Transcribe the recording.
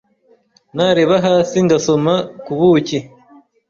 nareba hasi ngasoma, kubuki